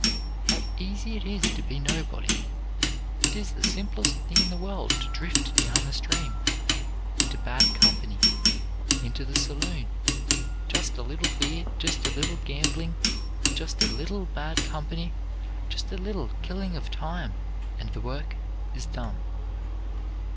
How easy it is to be nobody; it is the simplest thing in the world to drift down the stream, into bad company, into the saloon; just a little beer, just a little gambling, just a little bad company, just a little killing of time, and the work is done.